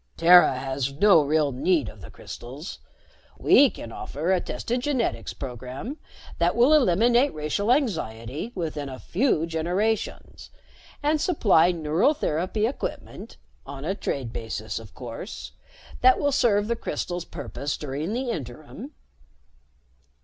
"Terra has no real need of the crystals. We can offer a tested genetics program that will eliminate racial anxiety within a few generations, and supply neural therapy equipment on a trade basis, of course that will serve the crystals' purpose during the interim."